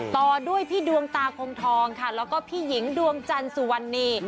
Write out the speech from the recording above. ต่อด้วยพี่ดวงตาคงทองค่ะแล้วก็พี่หญิงดวงจันทร์สุวรรณี